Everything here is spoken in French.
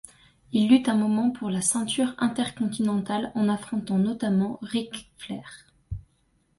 Il lutte un moment pour la ceinture Intercontinental en affrontant notamment Ric Flair.